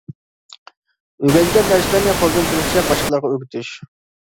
ئۆگەنگەن نەرسىلەرنى قولىدىن كېلىشىچە باشقىلارغا ئۆگىتىش.